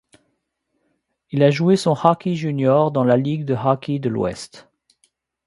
Il a joué son hockey junior dans la Ligue de hockey de l'Ouest.